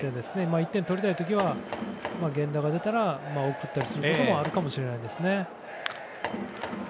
１点取りたい時は源田が出たら送ったりすることもあるかもしれないですね。